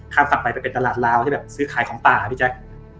ข้ามฝั่งไปไปเป็นตลาดราวที่ซื้อขายของป่าพี่แจ๊ก